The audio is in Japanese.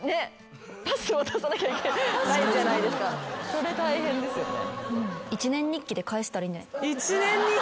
それ大変ですよね。